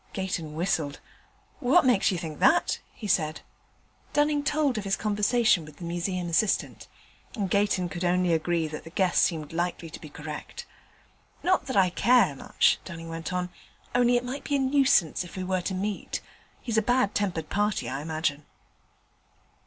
Gayton whistled. 'What makes you think that?' he said. Dunning told of his conversation with the Museum assistant, and Gayton could only agree that the guess seemed likely to be correct. 'Not that I care much,' Dunning went on, 'only it might be a nuisance if we were to meet. He's a bad tempered party, I imagine.'